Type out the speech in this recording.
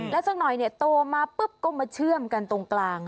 แล้วสักหน่อยโตมาปุ๊บก็มาเชื่อมกันตรงกลาง